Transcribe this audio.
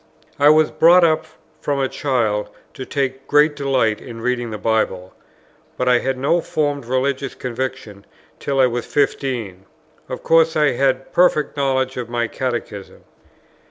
I was brought up from a child to take great delight in reading the Bible; but I had no formed religious convictions till I was fifteen. Of course I had a perfect knowledge of my Catechism.